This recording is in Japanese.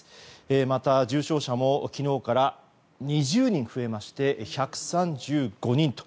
また、重症者も昨日から２０人増えまして１３５人と。